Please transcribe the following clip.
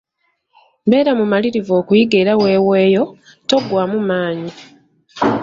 Beera mumalirirvu okuyiga era weweeyo, toggwaamu maanyi.